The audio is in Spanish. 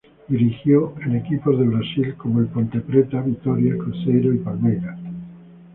Dirigió en equipos de Brasil como el Ponte Preta, Vitória, Cruzeiro y Palmeiras.